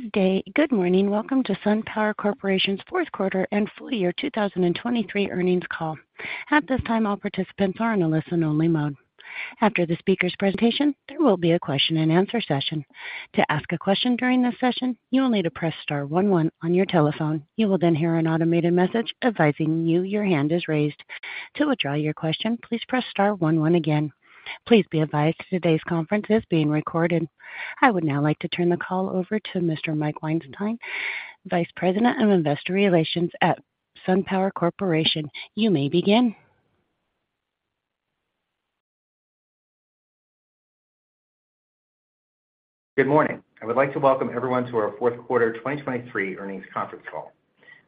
Good day, good morning. Welcome to SunPower Corporation's Q4 and Full Year 2023 Earnings Call. At this time, all participants are in a listen-only mode. After the speaker's presentation, there will be a question-and-answer session. To ask a question during this session, you will need to press star one one on your telephone. You will then hear an automated message advising you that your hand is raised. To withdraw your question, please press star one one again. Please be advised today's conference is being recorded. I would now like to turn the call over to Mr. Mike Weinstein, Vice President of Investor Relations at SunPower Corporation. You may begin. Good morning. I would like to welcome everyone to our Q4 2023 earnings conference call.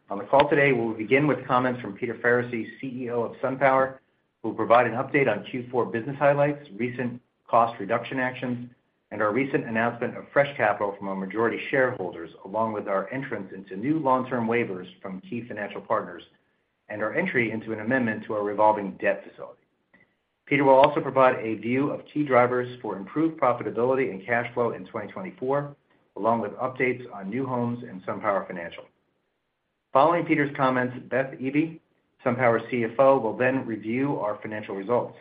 On the call today, we'll begin with comments from Peter Faricy, CEO of SunPower, who will provide an update on Q4 business highlights, recent cost reduction actions, and our recent announcement of fresh capital from our majority shareholders, along with our entrance into new long-term waivers from key financial partners and our entry into an amendment to our revolving debt facility. Peter will also provide a view of key drivers for improved profitability and cash flow in 2024, along with updates on new homes and SunPower Financial. Following Peter's comments, Beth Eby, SunPower CFO, will then review our financial results.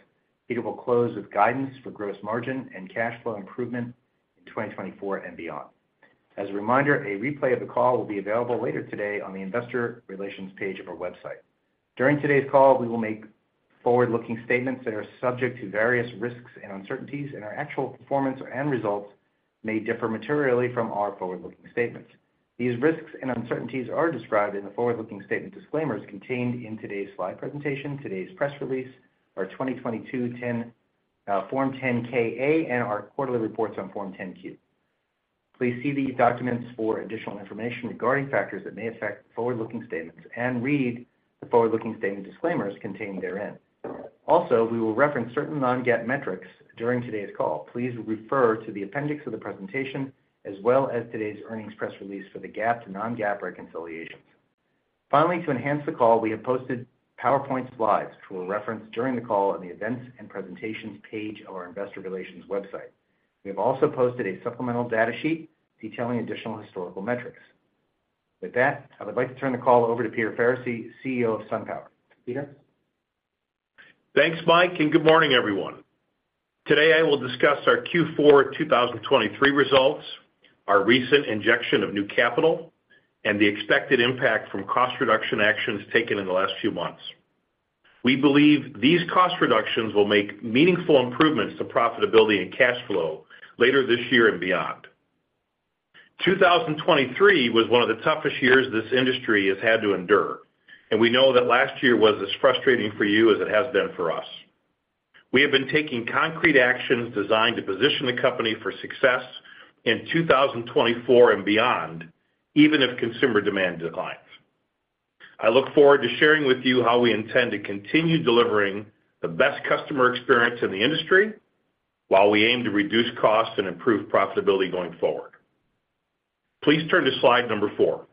Peter will close with guidance for gross margin and cash flow improvement in 2024 and beyond. As a reminder, a replay of the call will be available later today on the Investor Relations page of our website. During today's call, we will make forward-looking statements that are subject to various risks and uncertainties, and our actual performance and results may differ materially from our forward-looking statements. These risks and uncertainties are described in the forward-looking statement disclaimers contained in today's slide presentation, today's press release, our 2022 Form 10-K, and our quarterly reports on Form 10-Q. Please see these documents for additional information regarding factors that may affect forward-looking statements and read the forward-looking statement disclaimers contained therein. Also, we will reference certain non-GAAP metrics during today's call. Please refer to the appendix of the presentation as well as today's earnings press release for the GAAP and non-GAAP reconciliations. Finally, to enhance the call, we have posted PowerPoint slides which we'll reference during the call on the Events and Presentations page of our Investor Relations website. We have also posted a supplemental data sheet detailing additional historical metrics. With that, I would like to turn the call over to Peter Faricy, CEO of SunPower. Peter? Thanks, Mike, and good morning, everyone. Today, I will discuss our Q4 2023 results, our recent injection of new capital, and the expected impact from cost reduction actions taken in the last few months. We believe these cost reductions will make meaningful improvements to profitability and cash flow later this year and beyond. 2023 was one of the toughest years this industry has had to endure, and we know that last year was as frustrating for you as it has been for us. We have been taking concrete actions designed to position the company for success in 2024 and beyond, even if consumer demand declines. I look forward to sharing with you how we intend to continue delivering the best customer experience in the industry while we aim to reduce costs and improve profitability going forward. Please turn to slide number 4.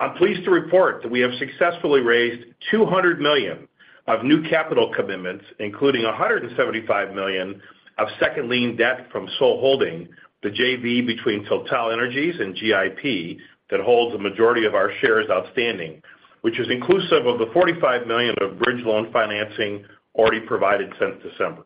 I'm pleased to report that we have successfully raised $200 million of new capital commitments, including $175 million of second lien debt from Sol Holding, the JV between TotalEnergies and GIP that holds a majority of our shares outstanding, which is inclusive of the $45 million of bridge loan financing already provided since December.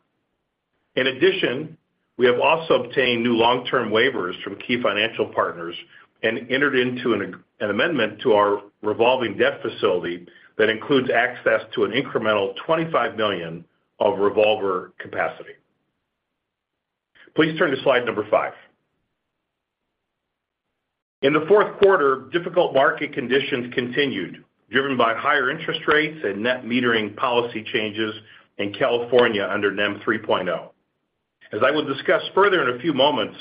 In addition, we have also obtained new long-term waivers from key financial partners and entered into an amendment to our revolving debt facility that includes access to an incremental $25 million of revolver capacity. Please turn to slide number 5. In the Q4, difficult market conditions continued, driven by higher interest rates and Net Metering policy changes in California under NEM 3.0. As I will discuss further in a few moments,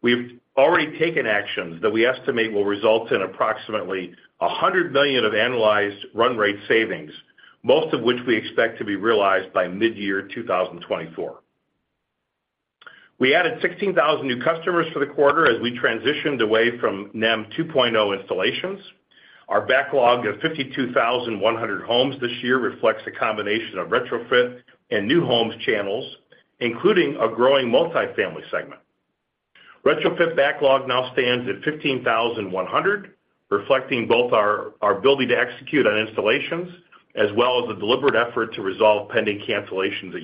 we have already taken actions that we estimate will result in approximately $100 million of annualized run rate savings, most of which we expect to be realized by mid-year 2024. We added 16,000 new customers for the quarter as we transitioned away from NEM 2.0 installations. Our backlog of 52,100 homes this year reflects a combination of retrofit and new homes channels, including a growing multifamily segment. Retrofit backlog now stands at 15,100, reflecting both our ability to execute on installations as well as a deliberate effort to resolve pending cancellations at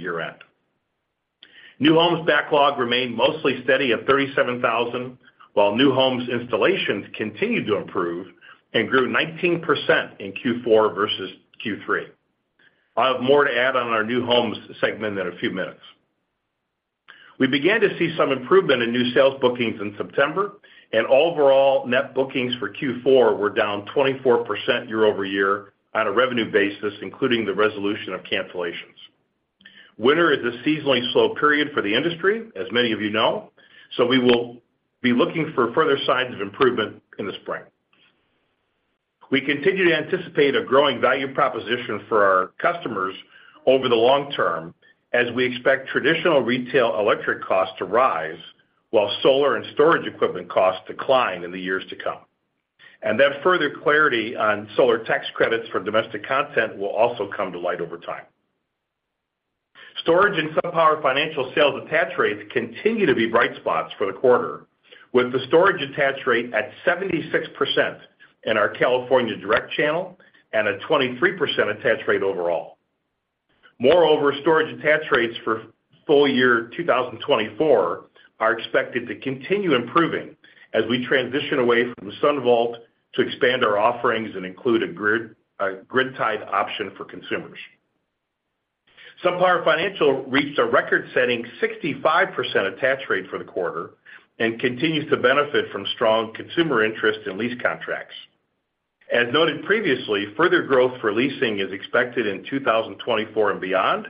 year-end. New homes backlog remained mostly steady at 37,000, while new homes installations continued to improve and grew 19% in Q4 versus Q3. I have more to add on our new homes segment in a few minutes. We began to see some improvement in new sales bookings in September, and overall net bookings for Q4 were down 24% year-over-year on a revenue basis, including the resolution of cancellations. Winter is a seasonally slow period for the industry, as many of you know, so we will be looking for further signs of improvement in the spring. We continue to anticipate a growing value proposition for our customers over the long term as we expect traditional retail electric costs to rise while solar and storage equipment costs decline in the years to come. That further clarity on solar tax credits for domestic content will also come to light over time. Storage and SunPower Financial sales attach rates continue to be bright spots for the quarter, with the storage attach rate at 76% in our California direct channel and a 23% attach rate overall. Moreover, storage attach rates for full year 2024 are expected to continue improving as we transition away from SunVault to expand our offerings and include a grid-tied option for consumers. SunPower Financial reached a record-setting 65% attach rate for the quarter and continues to benefit from strong consumer interest in lease contracts. As noted previously, further growth for leasing is expected in 2024 and beyond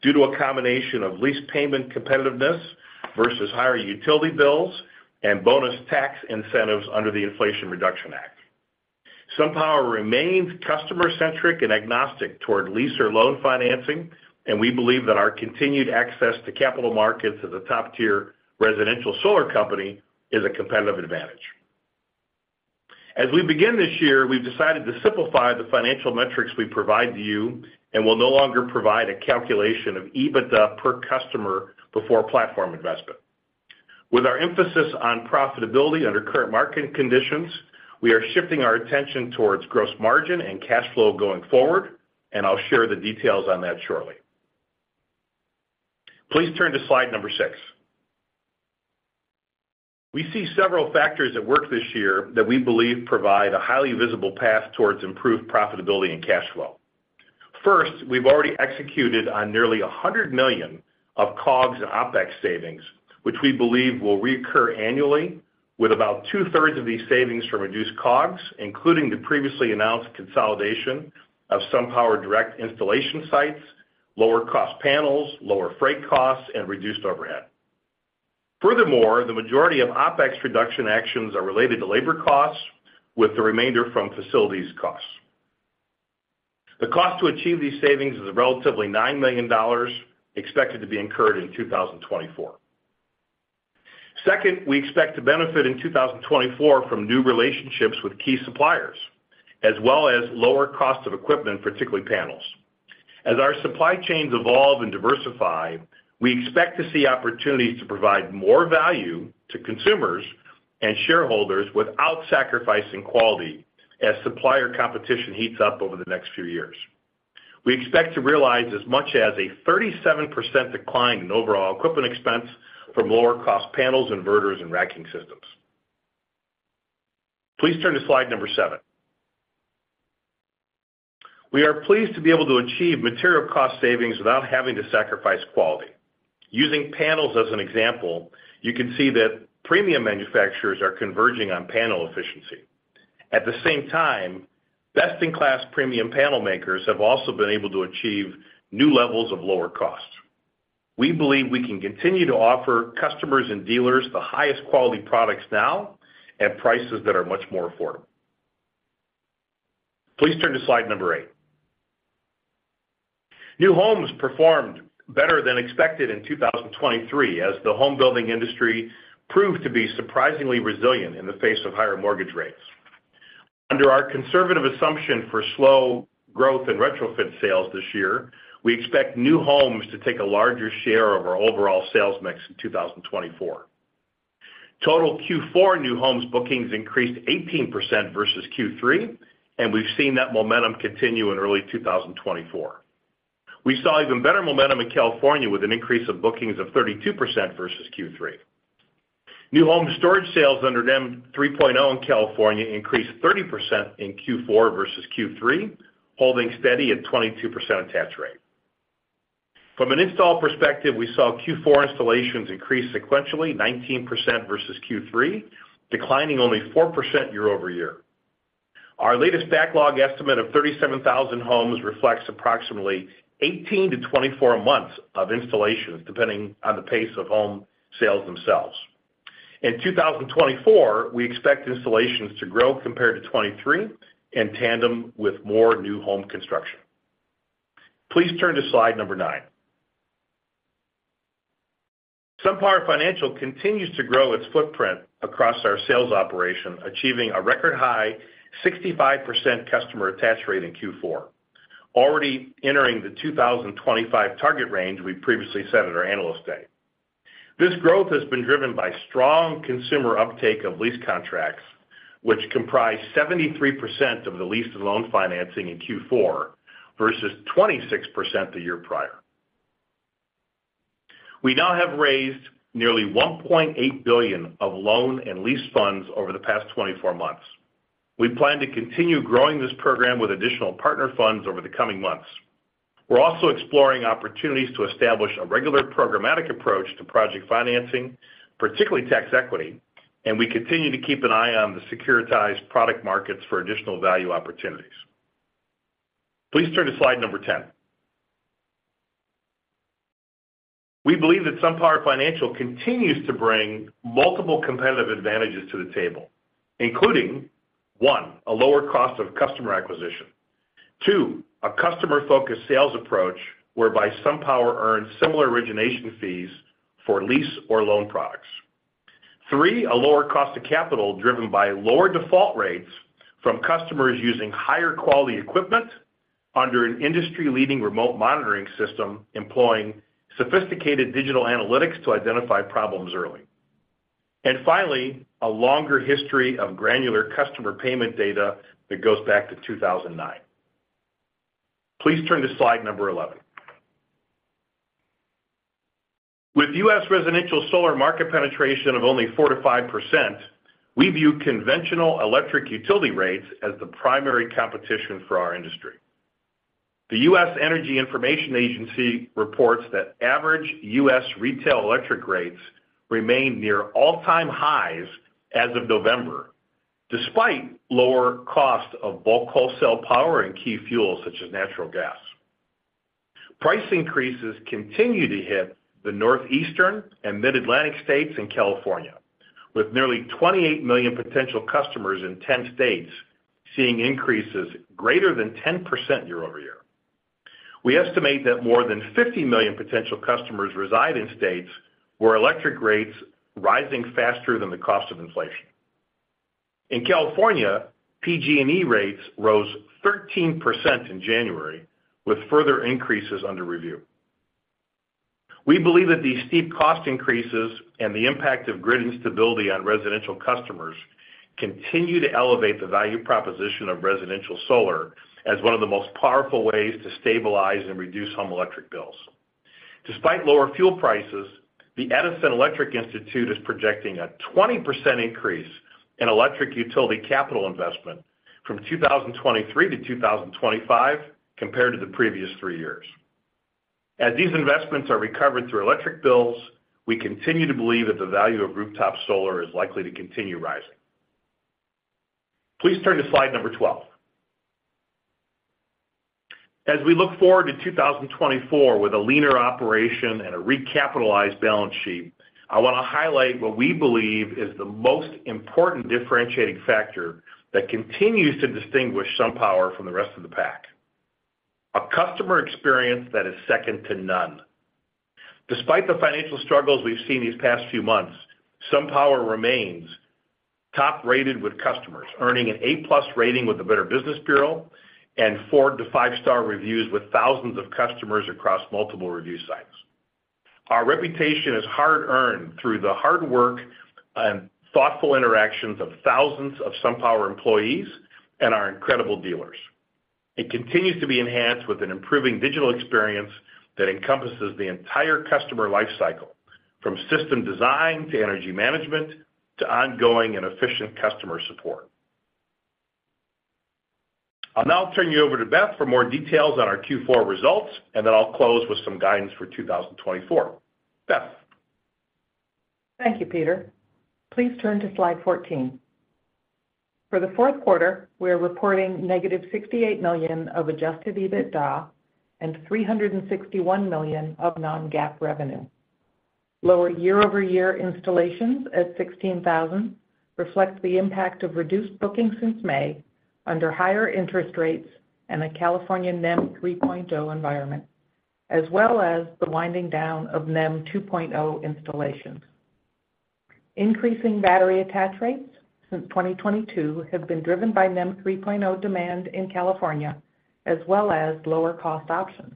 due to a combination of lease payment competitiveness versus higher utility bills and bonus tax incentives under the Inflation Reduction Act. SunPower remains customer-centric and agnostic toward lease or loan financing, and we believe that our continued access to capital markets as a top-tier residential solar company is a competitive advantage. As we begin this year, we've decided to simplify the financial metrics we provide to you and will no longer provide a calculation of EBITDA per customer before platform investment. With our emphasis on profitability under current market conditions, we are shifting our attention towards gross margin and cash flow going forward, and I'll share the details on that shortly. Please turn to slide 6. We see several factors at work this year that we believe provide a highly visible path towards improved profitability and cash flow. First, we've already executed on nearly $100 million of COGS and OPEX savings, which we believe will reoccur annually with about two-thirds of these savings from reduced COGS, including the previously announced consolidation of SunPower direct installation sites, lower cost panels, lower freight costs, and reduced overhead. Furthermore, the majority of OPEX reduction actions are related to labor costs, with the remainder from facilities costs. The cost to achieve these savings is relatively $9 million, expected to be incurred in 2024. Second, we expect to benefit in 2024 from new relationships with key suppliers as well as lower cost of equipment, particularly panels. As our supply chains evolve and diversify, we expect to see opportunities to provide more value to consumers and shareholders without sacrificing quality as supplier competition heats up over the next few years. We expect to realize as much as a 37% decline in overall equipment expense from lower cost panels, inverters, and racking systems. Please turn to slide number seven. We are pleased to be able to achieve material cost savings without having to sacrifice quality. Using panels as an example, you can see that premium manufacturers are converging on panel efficiency. At the same time, best-in-class premium panel makers have also been able to achieve new levels of lower costs. We believe we can continue to offer customers and dealers the highest quality products now at prices that are much more affordable. Please turn to slide number 8. New homes performed better than expected in 2023 as the home building industry proved to be surprisingly resilient in the face of higher mortgage rates. Under our conservative assumption for slow growth and retrofit sales this year, we expect new homes to take a larger share of our overall sales mix in 2024. Total Q4 new homes bookings increased 18% versus Q3, and we've seen that momentum continue in early 2024. We saw even better momentum in California with an increase of bookings of 32% versus Q3. New home storage sales under NEM 3.0 in California increased 30% in Q4 versus Q3, holding steady at 22% attach rate. From an install perspective, we saw Q4 installations increase sequentially, 19% versus Q3, declining only 4% year-over-year. Our latest backlog estimate of 37,000 homes reflects approximately 18 to 24 months of installations, depending on the pace of home sales themselves. In 2024, we expect installations to grow compared to 2023 in tandem with more new home construction. Please turn to slide 9. SunPower Financial continues to grow its footprint across our sales operation, achieving a record high 65% customer attach rate in Q4, already entering the 2025 target range we previously set at our analyst day. This growth has been driven by strong consumer uptake of lease contracts, which comprise 73% of the leased and loan financing in Q4 versus 26% the year prior. We now have raised nearly $1.8 billion of loan and lease funds over the past 24 months. We plan to continue growing this program with additional partner funds over the coming months. We're also exploring opportunities to establish a regular programmatic approach to project financing, particularly tax equity, and we continue to keep an eye on the securitized product markets for additional value opportunities. Please turn to slide number 10. We believe that SunPower Financial continues to bring multiple competitive advantages to the table, including: 1, a lower cost of customer acquisition, 2, a customer-focused sales approach whereby SunPower earns similar origination fees for lease or loan products, 3, a lower cost of capital driven by lower default rates from customers using higher quality equipment under an industry-leading remote monitoring system employing sophisticated digital analytics to identify problems early, and finally, a longer history of granular customer payment data that goes back to 2009. Please turn to slide number 11. With US residential solar market penetration of only 4% to 5%, we view conventional electric utility rates as the primary competition for our industry. The US Energy Information Administration reports that average US retail electric rates remain near all-time highs as of November, despite lower cost of bulk wholesale power and key fuels such as natural gas. Price increases continue to hit the northeastern and mid-Atlantic states in California, with nearly 28 million potential customers in 10 states seeing increases greater than 10% year-over-year. We estimate that more than 50 million potential customers reside in states where electric rates are rising faster than the cost of inflation. In California, PG&E rates rose 13% in January, with further increases under review. We believe that these steep cost increases and the impact of grid instability on residential customers continue to elevate the value proposition of residential solar as one of the most powerful ways to stabilize and reduce home electric bills. Despite lower fuel prices, the Edison Electric Institute is projecting a 20% increase in electric utility capital investment from 2023 to 2025 compared to the previous three years. As these investments are recovered through electric bills, we continue to believe that the value of rooftop solar is likely to continue rising. Please turn to slide number 12. As we look forward to 2024 with a leaner operation and a recapitalized balance sheet, I want to highlight what we believe is the most important differentiating factor that continues to distinguish SunPower from the rest of the pack: a customer experience that is second to none. Despite the financial struggles we've seen these past few months, SunPower remains top-rated with customers, earning an A-plus rating with the Better Business Bureau and 4- to 5-star reviews with thousands of customers across multiple review sites. Our reputation is hard-earned through the hard work and thoughtful interactions of thousands of SunPower employees and our incredible dealers. It continues to be enhanced with an improving digital experience that encompasses the entire customer lifecycle, from system design to energy management to ongoing and efficient customer support. I'll now turn you over to Beth for more details on our Q4 results, and then I'll close with some guidance for 2024. Beth. Thank you, Peter. Please turn to slide 14. For the Q4, we are reporting -$68 million of Adjusted EBITDA and $361 million of non-GAAP revenue. Lower year-over-year installations at 16,000 reflect the impact of reduced bookings since May under higher interest rates and a California NEM 3.0 environment, as well as the winding down of NEM 2.0 installations. Increasing battery attach rates since 2022 have been driven by NEM 3.0 demand in California as well as lower cost options.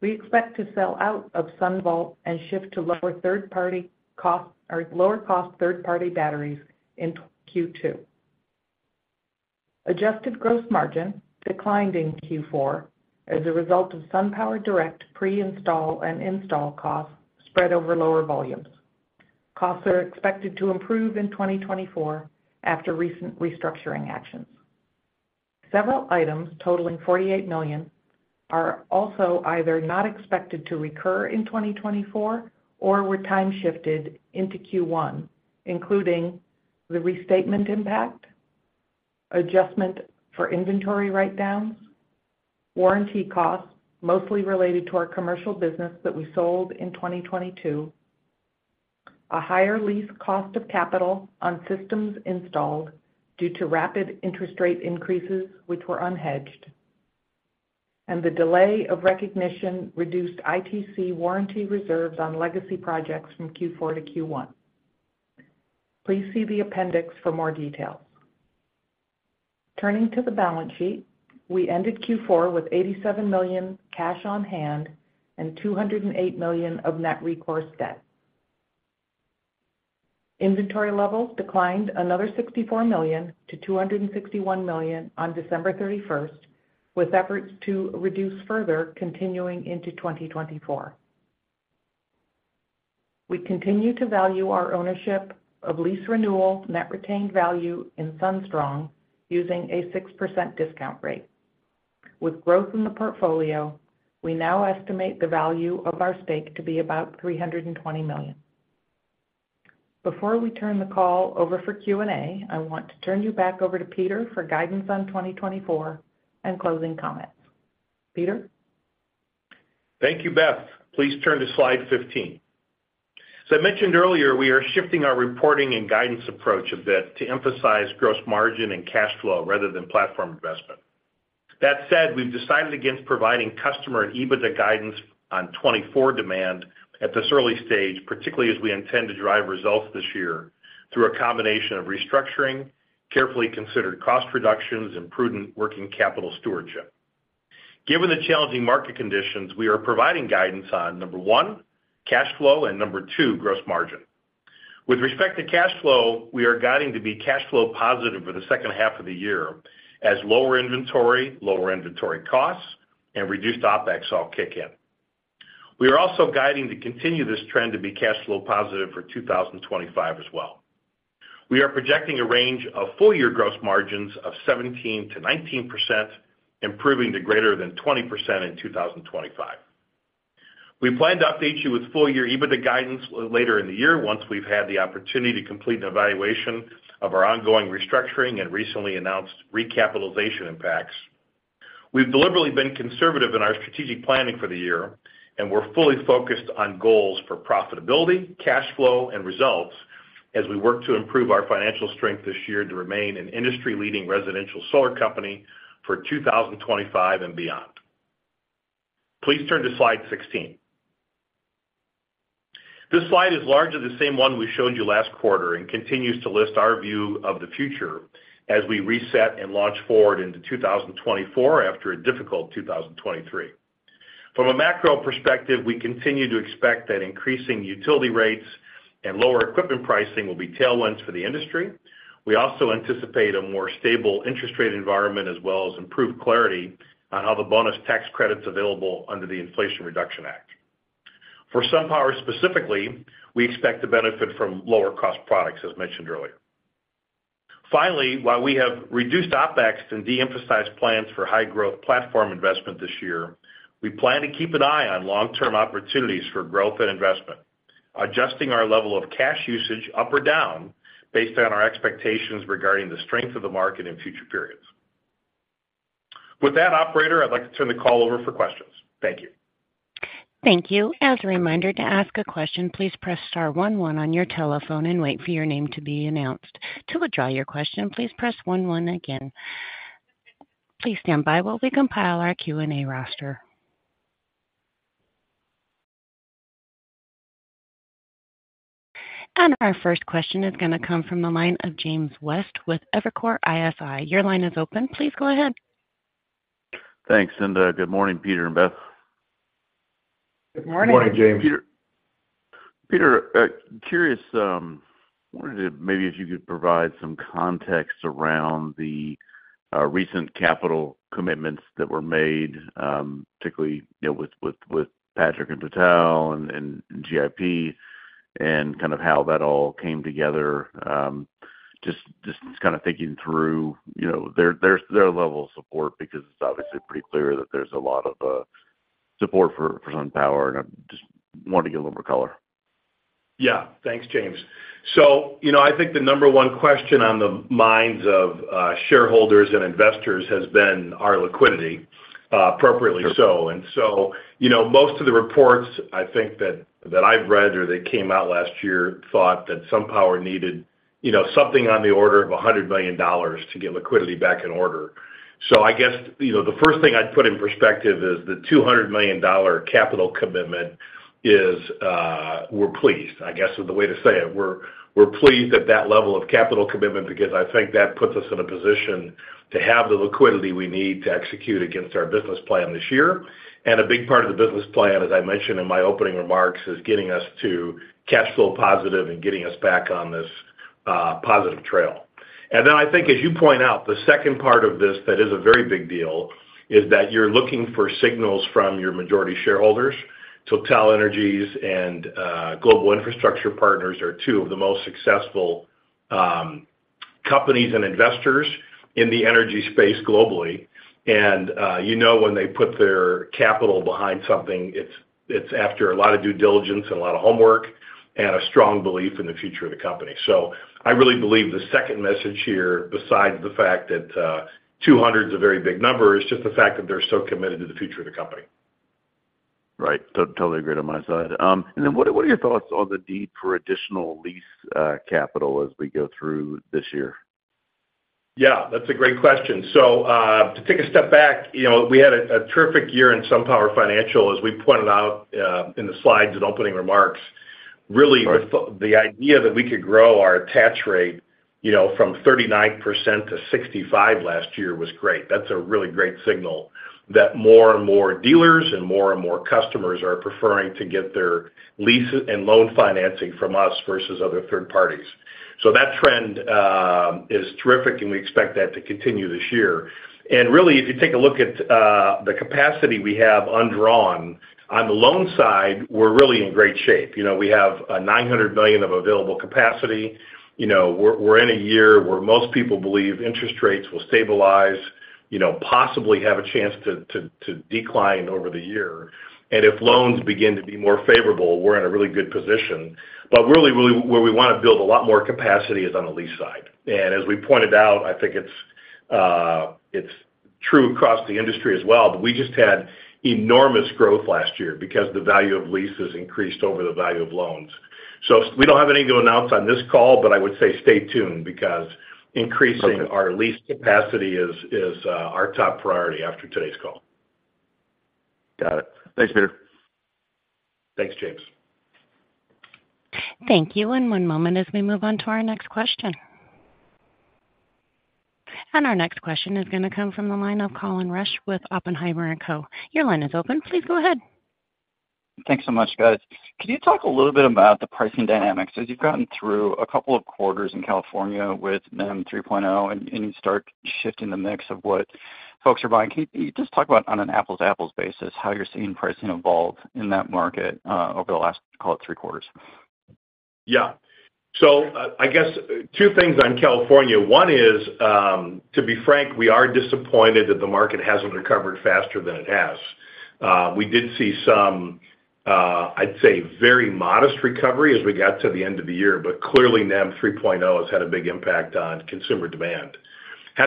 We expect to sell out of SunVault and shift to lower-cost third-party batteries in Q2. Adjusted gross margin declined in Q4 as a result of SunPower direct pre-install and install costs spread over lower volumes. Costs are expected to improve in 2024 after recent restructuring actions. Several items totaling $48 million are also either not expected to recur in 2024 or were time-shifted into Q1, including the restatement impact, adjustment for inventory write-downs, warranty costs mostly related to our commercial business that we sold in 2022, a higher lease cost of capital on systems installed due to rapid interest rate increases which were unhedged, and the delay of recognition reduced ITC warranty reserves on legacy projects from Q4 to Q1. Please see the appendix for more details. Turning to the balance sheet, we ended Q4 with $87 million cash on hand and $208 million of net recourse debt. Inventory levels declined another $64 to 261 million on 31 December, with efforts to reduce further continuing into 2024. We continue to value our ownership of lease renewal net retained value in SunStrong using a 6% discount rate. With growth in the portfolio, we now estimate the value of our stake to be about $320 million. Before we turn the call over for Q&A, I want to turn you back over to Peter for guidance on 2024 and closing comments. Peter. Thank you, Beth. Please turn to slide 15. As I mentioned earlier, we are shifting our reporting and guidance approach a bit to emphasize gross margin and cash flow rather than platform investment. That said, we've decided against providing customer and EBITDA guidance on 2024 demand at this early stage, particularly as we intend to drive results this year through a combination of restructuring, carefully considered cost reductions, and prudent working capital stewardship. Given the challenging market conditions, we are providing guidance on, number one, cash flow and, number two, gross margin. With respect to cash flow, we are guiding to be cash flow positive for the second half of the year as lower inventory, lower inventory costs, and reduced OPEX all kick in. We are also guiding to continue this trend to be cash flow positive for 2025 as well. We are projecting a range of full-year gross margins of 17% to 19%, improving to greater than 20% in 2025. We plan to update you with full-year EBITDA guidance later in the year once we've had the opportunity to complete an evaluation of our ongoing restructuring and recently announced recapitalization impacts. We've deliberately been conservative in our strategic planning for the year, and we're fully focused on goals for profitability, cash flow, and results as we work to improve our financial strength this year to remain an industry-leading residential solar company for 2025 and beyond. Please turn to slide 16. This slide is largely the same one we showed you last quarter and continues to list our view of the future as we reset and launch forward into 2024 after a difficult 2023. From a macro perspective, we continue to expect that increasing utility rates and lower equipment pricing will be tailwinds for the industry. We also anticipate a more stable interest rate environment as well as improved clarity on how the bonus tax credits available under the Inflation Reduction Act. For SunPower specifically, we expect to benefit from lower-cost products, as mentioned earlier. Finally, while we have reduced OPEX and de-emphasized plans for high-growth platform investment this year, we plan to keep an eye on long-term opportunities for growth and investment, adjusting our level of cash usage up or down based on our expectations regarding the strength of the market in future periods. With that, operator, I'd like to turn the call over for questions. Thank you. Thank you. As a reminder, to ask a question, please press star one one on your telephone and wait for your name to be announced. To withdraw your question, please press one one again. Please stand by while we compile our Q&A roster. Our first question is going to come from the line of James West with Evercore ISI. Your line is open. Please go ahead. Thanks, Linda. Good morning, Peter and Beth. Good morning. Good morning, James. Peter. Peter, curious, wanted to maybe if you could provide some context around the recent capital commitments that were made, particularly with Patrick Pouyanné and GIP, and kind of how that all came together. Just kind of thinking through their level of support because it's obviously pretty clear that there's a lot of support for SunPower, and I just wanted to get a little more color. Yeah. Thanks, James. So I think the number one question on the minds of shareholders and investors has been our liquidity, appropriately so. And so most of the reports, I think, that I've read or that came out last year thought that SunPower needed something on the order of $100 million to get liquidity back in order. So I guess the first thing I'd put in perspective is the $200 million capital commitment is we're pleased, I guess, is the way to say it. We're pleased at that level of capital commitment because I think that puts us in a position to have the liquidity we need to execute against our business plan this year. A big part of the business plan, as I mentioned in my opening remarks, is getting us to cash flow positive and getting us back on this positive trail. Then I think, as you point out, the second part of this that is a very big deal is that you're looking for signals from your majority shareholders. TotalEnergies and Global Infrastructure Partners are two of the most successful companies and investors in the energy space globally. When they put their capital behind something, it's after a lot of due diligence and a lot of homework and a strong belief in the future of the company. So I really believe the second message here, besides the fact that 200 is a very big number, is just the fact that they're so committed to the future of the company. Right. Totally agree on my side. And then what are your thoughts on the need for additional lease capital as we go through this year? Yeah. That's a great question. So to take a step back, we had a terrific year in SunPower Financial. As we pointed out in the slides and opening remarks, really, the idea that we could grow our attach rate from 39% to 65% last year was great. That's a really great signal that more and more dealers and more and more customers are preferring to get their lease and loan financing from us versus other third parties. So that trend is terrific, and we expect that to continue this year. And really, if you take a look at the capacity we have undrawn on the loan side, we're really in great shape. We have $900 million of available capacity. We're in a year where most people believe interest rates will stabilize, possibly have a chance to decline over the year. If loans begin to be more favorable, we're in a really good position. But really, where we want to build a lot more capacity is on the lease side. As we pointed out, I think it's true across the industry as well, but we just had enormous growth last year because the value of leases increased over the value of loans. We don't have anything to announce on this call, but I would say stay tuned because increasing our lease capacity is our top priority after today's call. Got it. Thanks, Peter. Thanks, James. Thank you. One moment as we move on to our next question. Our next question is going to come from the line of Colin Rusch with Oppenheimer & Co. Your line is open. Please go ahead. Thanks so much, guys. Can you talk a little bit about the pricing dynamics? As you've gotten through a couple of quarters in California with NEM 3.0 and you start shifting the mix of what folks are buying, can you just talk about, on an apples-to-apples basis, how you're seeing pricing evolve in that market over the last, call it, three quarters? Yeah. So I guess two things on California. One is, to be frank, we are disappointed that the market hasn't recovered faster than it has. We did see some, I'd say, very modest recovery as we got to the end of the year, but clearly, NEM 3.0 has had a big impact on consumer demand.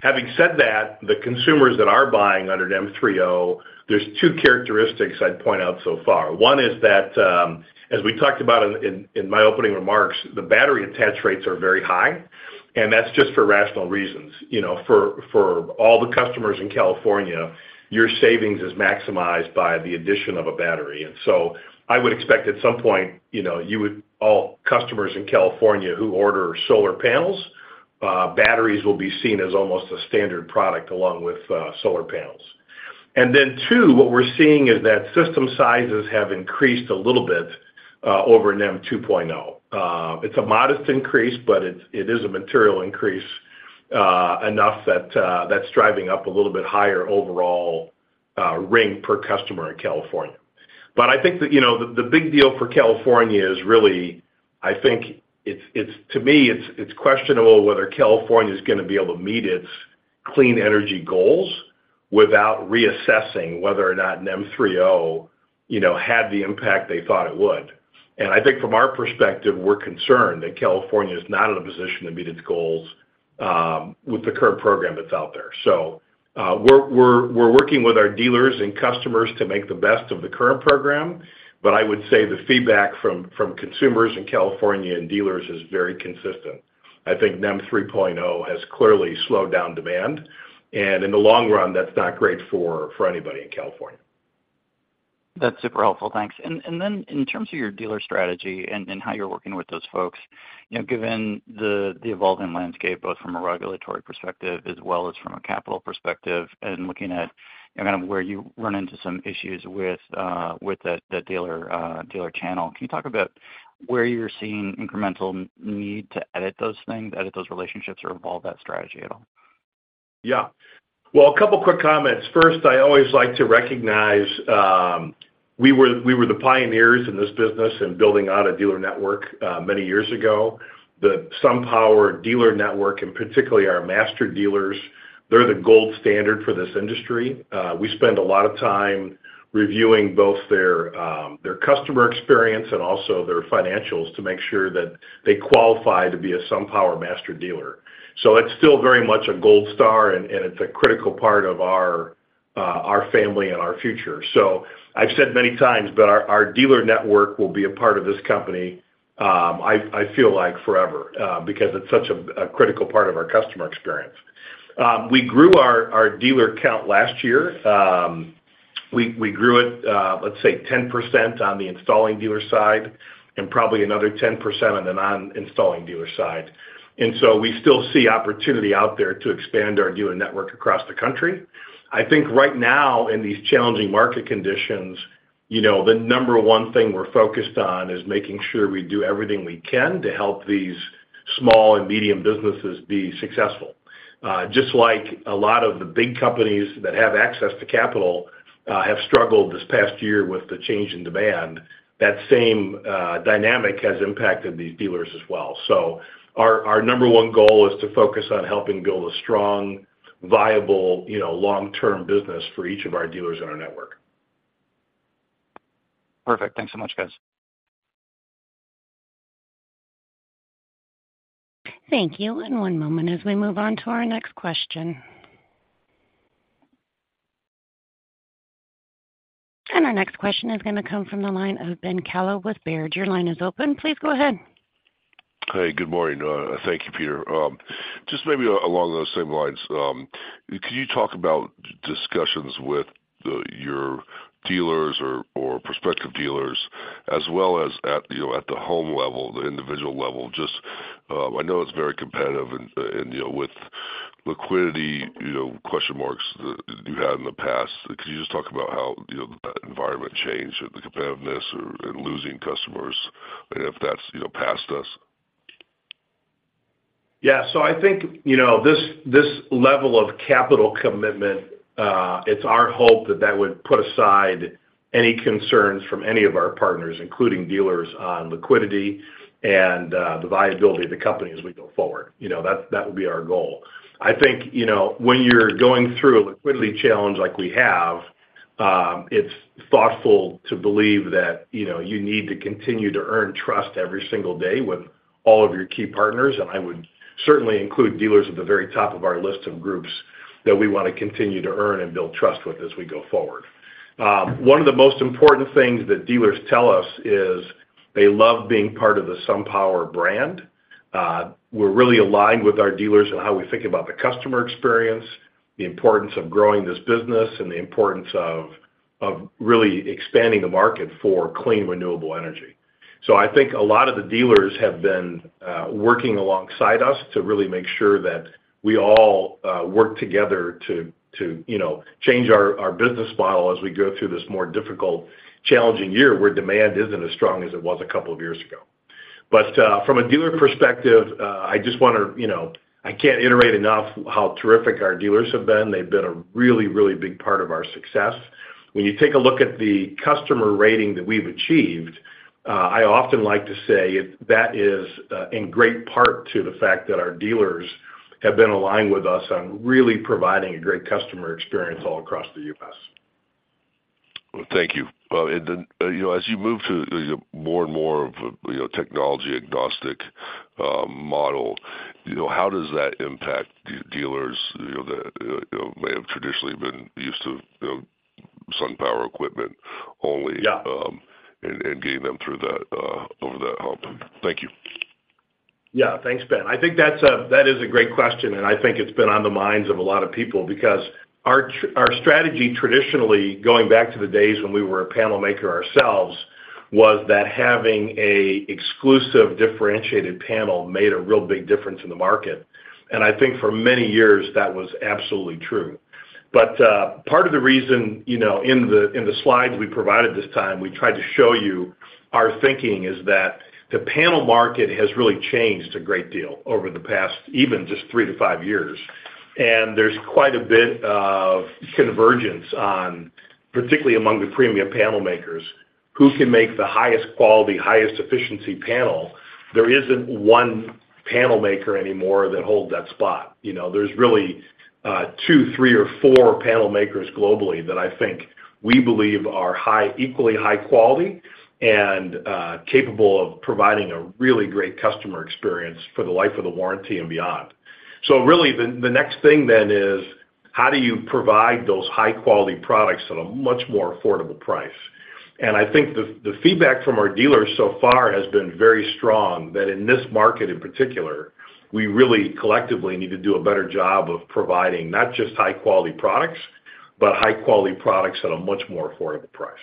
Having said that, the consumers that are buying under NEM 3.0, there's two characteristics I'd point out so far. One is that, as we talked about in my opening remarks, the battery attach rates are very high, and that's just for rational reasons. For all the customers in California, your savings is maximized by the addition of a battery. And so I would expect at some point, all customers in California who order solar panels, batteries will be seen as almost a standard product along with solar panels. And then two, what we're seeing is that system sizes have increased a little bit over NEM 2.0. It's a modest increase, but it is a material increase enough that's driving up a little bit higher overall revenue per customer in California. But I think the big deal for California is really, I think, to me, it's questionable whether California is going to be able to meet its clean energy goals without reassessing whether or not NEM 3.0 had the impact they thought it would. And I think from our perspective, we're concerned that California is not in a position to meet its goals with the current program that's out there. So we're working with our dealers and customers to make the best of the current program, but I would say the feedback from consumers in California and dealers is very consistent. I think NEM 3.0 has clearly slowed down demand, and in the long run, that's not great for anybody in California. That's super helpful. Thanks. Then in terms of your dealer strategy and how you're working with those folks, given the evolving landscape both from a regulatory perspective as well as from a capital perspective and looking at kind of where you run into some issues with that dealer channel, can you talk about where you're seeing incremental need to edit those things, edit those relationships, or evolve that strategy at all? Yeah. Well, a couple of quick comments. First, I always like to recognize we were the pioneers in this business in building out a dealer network many years ago. The SunPower dealer network and particularly our master dealers, they're the gold standard for this industry. We spend a lot of time reviewing both their customer experience and also their financials to make sure that they qualify to be a SunPower master dealer. So it's still very much a gold star, and it's a critical part of our family and our future. So I've said many times, but our dealer network will be a part of this company, I feel like, forever because it's such a critical part of our customer experience. We grew our dealer count last year. We grew it, let's say, 10% on the installing dealer side and probably another 10% on the non-installing dealer side. And so we still see opportunity out there to expand our dealer network across the country. I think right now, in these challenging market conditions, the number one thing we're focused on is making sure we do everything we can to help these small and medium businesses be successful. Just like a lot of the big companies that have access to capital have struggled this past year with the change in demand, that same dynamic has impacted these dealers as well. So our number one goal is to focus on helping build a strong, viable, long-term business for each of our dealers in our network. Perfect. Thanks so much, guys. Thank you. And one moment as we move on to our next question. And our next question is going to come from the line of Ben Kallo with Baird. Your line is open. Please go ahead. Hey, good morning. Thank you, Peter. Just maybe along those same lines, could you talk about discussions with your dealers or prospective dealers as well as at the home level, the individual level? I know it's very competitive, and with liquidity question marks that you had in the past, could you just talk about how that environment changed, the competitiveness in losing customers, and if that's past us? Yeah. So I think this level of capital commitment; it's our hope that that would put aside any concerns from any of our partners, including dealers, on liquidity and the viability of the company as we go forward. That would be our goal. I think when you're going through a liquidity challenge like we have, it's thoughtful to believe that you need to continue to earn trust every single day with all of your key partners. And I would certainly include dealers at the very top of our list of groups that we want to continue to earn and build trust with as we go forward. One of the most important things that dealers tell us is they love being part of the SunPower brand. We're really aligned with our dealers in how we think about the customer experience, the importance of growing this business, and the importance of really expanding the market for clean, renewable energy. So I think a lot of the dealers have been working alongside us to really make sure that we all work together to change our business model as we go through this more difficult, challenging year where demand isn't as strong as it was a couple of years ago. But from a dealer perspective, I just want to I can't iterate enough how terrific our dealers have been. They've been a really, really big part of our success. When you take a look at the customer rating that we've achieved, I often like to say that is in great part to the fact that our dealers have been aligned with us on really providing a great customer experience all across the US. Well, thank you. And then as you move to more and more of a technology-agnostic model, how does that impact dealers that may have traditionally been used to SunPower equipment only and getting them through that over that hump? Thank you. Yeah. Thanks, Ben. I think that is a great question, and I think it's been on the minds of a lot of people because our strategy, traditionally, going back to the days when we were a panel maker ourselves, was that having an exclusive, differentiated panel made a real big difference in the market. And I think for many years, that was absolutely true. But part of the reason in the slides we provided this time, we tried to show you our thinking is that the panel market has really changed a great deal over the past even just 3 to 5 years. And there's quite a bit of convergence, particularly among the premium panel makers, who can make the highest quality, highest efficiency panel. There isn't one panel maker anymore that holds that spot. There's really 2, 3, or 4 panel makers globally that I think we believe are equally high quality and capable of providing a really great customer experience for the life of the warranty and beyond. So really, the next thing then is how do you provide those high-quality products at a much more affordable price? I think the feedback from our dealers so far has been very strong that in this market in particular, we really collectively need to do a better job of providing not just high-quality products but high-quality products at a much more affordable price.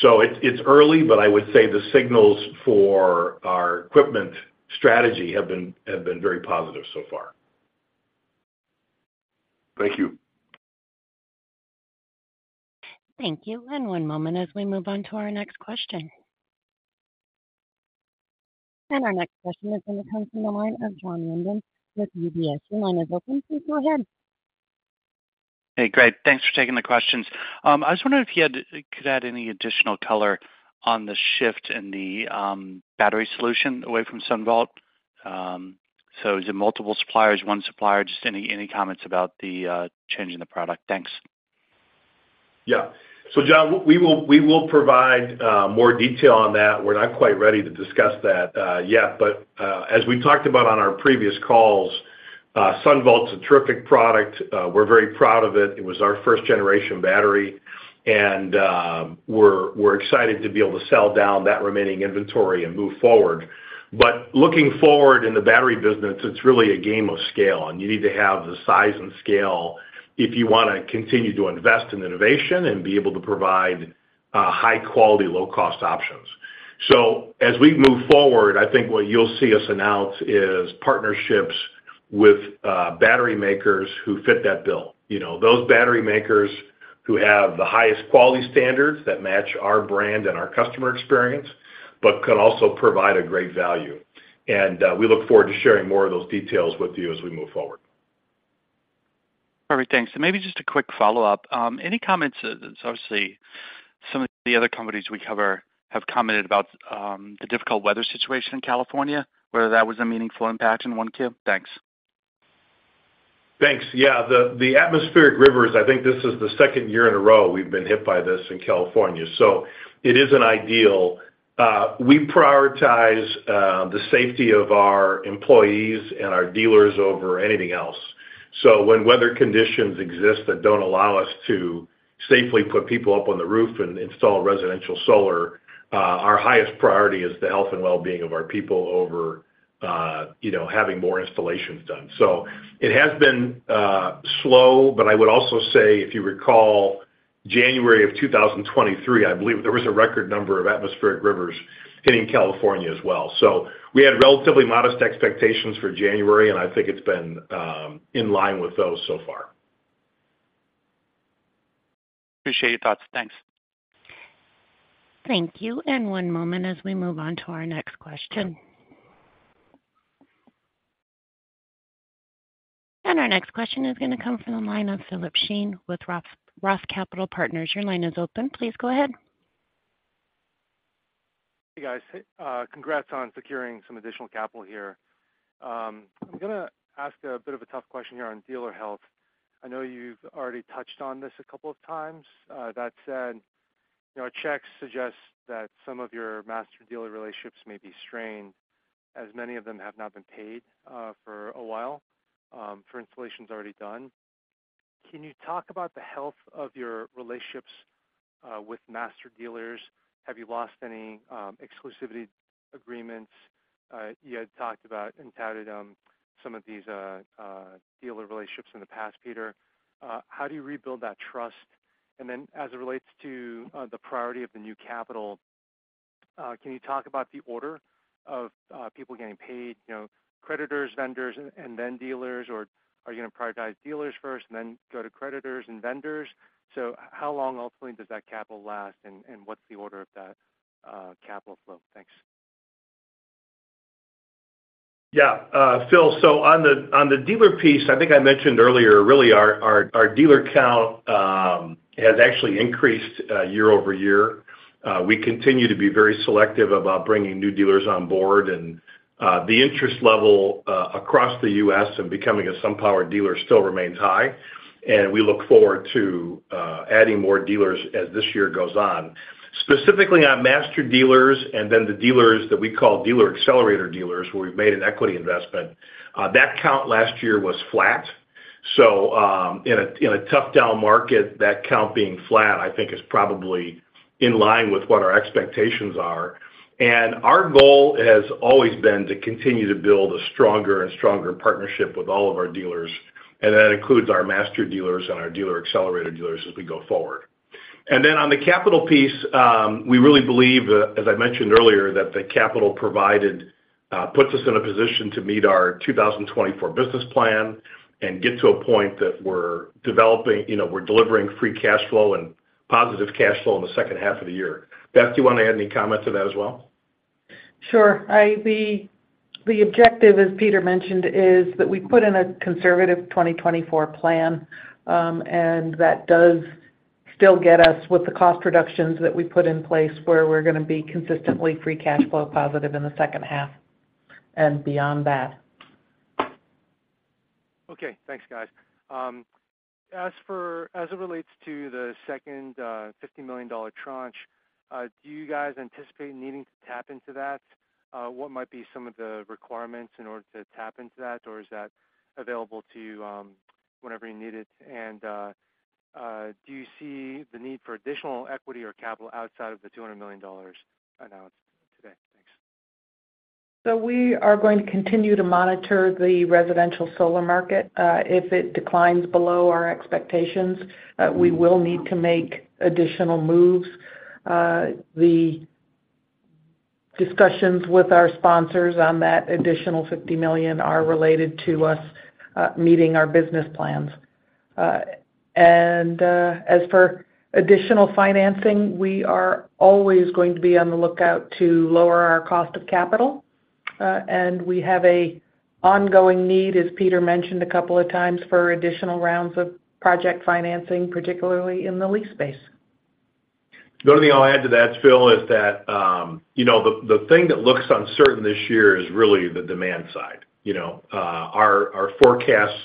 So it's early, but I would say the signals for our equipment strategy have been very positive so far. Thank you. Thank you. One moment as we move on to our next question. Our next question is going to come from the line of Jon Windham with UBS. Your line is open. Please go ahead. Hey, great. Thanks for taking the questions. I just wondered if you could add any additional color on the shift in the battery solution away from SunVault. So is it multiple suppliers, one supplier, just any comments about the change in the product? Thanks. Yeah. So Jon, we will provide more detail on that. We're not quite ready to discuss that yet. But as we talked about on our previous calls, SunVault's a terrific product. We're very proud of it. It was our first-generation battery, and we're excited to be able to sell down that remaining inventory and move forward. But looking forward in the battery business, it's really a game of scale, and you need to have the size and scale if you want to continue to invest in innovation and be able to provide high-quality, low-cost options. So as we move forward, I think what you'll see us announce is partnerships with battery makers who fit that bill, those battery makers who have the highest quality standards that match our brand and our customer experience but could also provide a great value. We look forward to sharing more of those details with you as we move forward. Perfect. Thanks. Maybe just a quick follow-up. Any comments? Obviously, some of the other companies we cover have commented about the difficult weather situation in California, whether that was a meaningful impact in Q1. Thanks. Thanks. Yeah. The atmospheric rivers, I think this is the second year in a row we've been hit by this in California. So it isn't ideal. We prioritize the safety of our employees and our dealers over anything else. So when weather conditions exist that don't allow us to safely put people up on the roof and install residential solar, our highest priority is the health and well-being of our people over having more installations done. So it has been slow, but I would also say, if you recall, January of 2023, I believe there was a record number of atmospheric rivers hitting California as well. So we had relatively modest expectations for January, and I think it's been in line with those so far. Appreciate your thoughts. Thanks. Thank you. And one moment as we move on to our next question. And our next question is going to come from the line of Philip Shen with Roth Capital Partners. Your line is open. Please go ahead. Hey, guys. Congrats on securing some additional capital here. I'm going to ask a bit of a tough question here on dealer health. I know you've already touched on this a couple of times. That said, our checks suggest that some of your master dealer relationships may be strained as many of them have not been paid for a while for installations already done. Can you talk about the health of your relationships with master dealers? Have you lost any exclusivity agreements? You had talked about and touted some of these dealer relationships in the past, Peter. How do you rebuild that trust? And then as it relates to the priority of the new capital, can you talk about the order of people getting paid, creditors, vendors, and then dealers? Or are you going to prioritize dealers first and then go to creditors and vendors? So how long ultimately does that capital last, and what's the order of that capital flow? Thanks. Yeah. Phil, so on the dealer piece, I think I mentioned earlier, really, our dealer count has actually increased year-over-year. We continue to be very selective about bringing new dealers on board, and the interest level across the US in becoming a SunPower dealer still remains high. We look forward to adding more dealers as this year goes on. Specifically on master dealers and then the dealers that we call Dealer Accelerator dealers where we've made an equity investment, that count last year was flat. In a tough-down market, that count being flat, I think, is probably in line with what our expectations are. Our goal has always been to continue to build a stronger and stronger partnership with all of our dealers. That includes our master dealers and our Dealer Accelerator dealers as we go forward. And then on the capital piece, we really believe, as I mentioned earlier, that the capital provided puts us in a position to meet our 2024 business plan and get to a point that we're delivering free cash flow and positive cash flow in the second half of the year. Beth, do you want to add any comment to that as well? Sure. The objective, as Peter mentioned, is that we put in a conservative 2024 plan, and that does still get us with the cost reductions that we put in place where we're going to be consistently free cash flow positive in the second half and beyond that. Okay. Thanks, guys. As it relates to the second $50 million tranche, do you guys anticipate needing to tap into that? What might be some of the requirements in order to tap into that, or is that available to you whenever you need it? And do you see the need for additional equity or capital outside of the $200 million announced today? Thanks. We are going to continue to monitor the residential solar market. If it declines below our expectations, we will need to make additional moves. The discussions with our sponsors on that additional $50 million are related to us meeting our business plans. And as for additional financing, we are always going to be on the lookout to lower our cost of capital. And we have an ongoing need, as Peter mentioned a couple of times, for additional rounds of project financing, particularly in the lease space. The only thing I'll add to that, Phil, is that the thing that looks uncertain this year is really the demand side. Our forecasts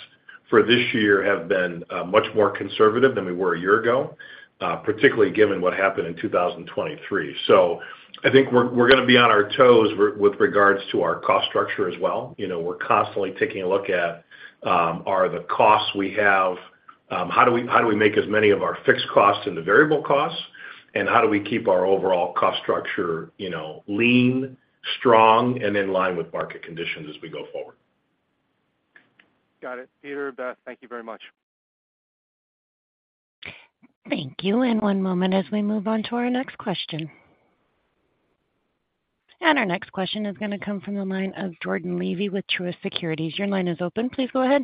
for this year have been much more conservative than we were a year ago, particularly given what happened in 2023. So I think we're going to be on our toes with regards to our cost structure as well. We're constantly taking a look at, are the costs we have, how do we make as many of our fixed costs into variable costs, and how do we keep our overall cost structure lean, strong, and in line with market conditions as we go forward? Got it. Peter, Beth, thank you very much. Thank you. One moment as we move on to our next question. Our next question is going to come from the line of Jordan Levy with Truist Securities. Your line is open. Please go ahead.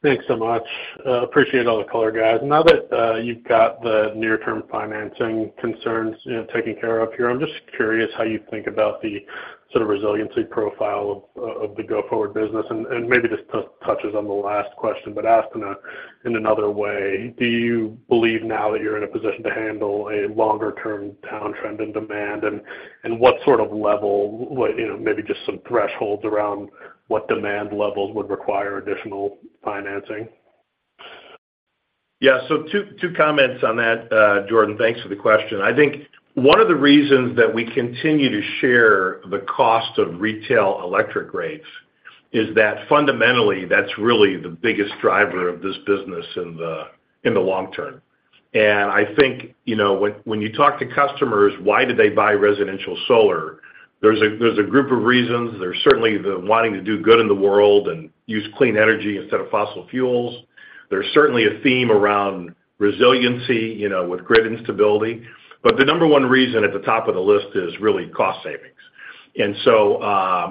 Thanks so much. Appreciate all the color, guys. Now that you've got the near-term financing concerns taken care of here, I'm just curious how you think about the sort of resiliency profile of the go-forward business. And maybe this touches on the last question, but asked in another way. Do you believe now that you're in a position to handle a longer-term downtrend in demand, and what sort of level maybe just some thresholds around what demand levels would require additional financing? Yeah. So two comments on that, Jordan. Thanks for the question. I think one of the reasons that we continue to share the cost of retail electric rates is that fundamentally, that's really the biggest driver of this business in the long term. And I think when you talk to customers, why do they buy residential solar? There's a group of reasons. There's certainly the wanting to do good in the world and use clean energy instead of fossil fuels. There's certainly a theme around resiliency with grid instability. But the number one reason at the top of the list is really cost savings. And so